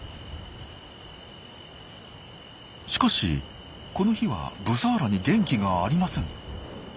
しかしこの日はブサーラに元気がありません。